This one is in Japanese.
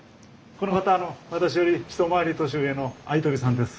この方あの私より一回り年上の鮎飛さんです。